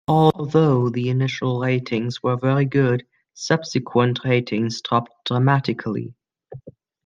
Although the initial ratings were very good, subsequent ratings dropped dramatically.